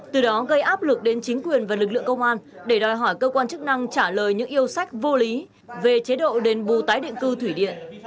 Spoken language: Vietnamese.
từ đó gây áp lực đến chính quyền và lực lượng công an để đòi hỏi cơ quan chức năng trả lời những yêu sách vô lý về chế độ đền bù tái định cư thủy điện